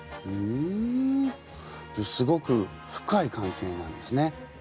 ふんすごく深い関係なんですね。